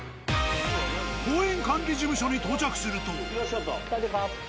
公園管理事務所に到着すると。